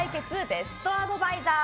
ベストアドバイザー。